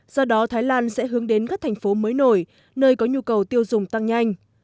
do đó thái lan sẽ hướng đến các thành phố mới nổi nơi có nhu cầu tiêu dùng tăng nhanh